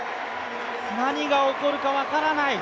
何が起こるか分からない。